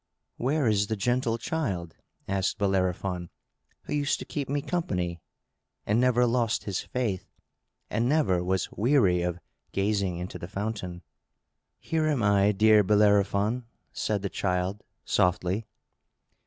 "Where is the gentle child," asked Bellerophon, "who used to keep me company, and never lost his faith, and never was weary of gazing into the fountain?" "Here am I, dear Bellerophon!" said the child, softly.